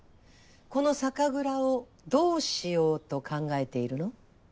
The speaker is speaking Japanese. この酒蔵をどうしようと考えているの？